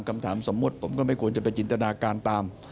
คำถามสมมุติผมก็ไม่ควรจะไปจินตนาการตาม